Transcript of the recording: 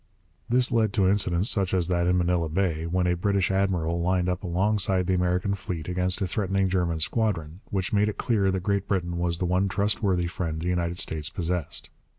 This led to incidents such as that in Manila Bay, when a British admiral lined up alongside the American fleet against a threatening German squadron which made it clear that Great Britain was the one trustworthy friend the United States possessed.